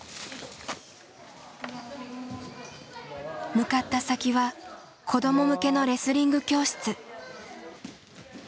向かった先は子ども向けのレスリング教室。